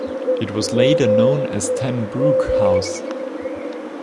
It was later known as Ten Broeck House.